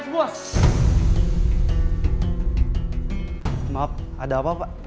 maaf ada apa pak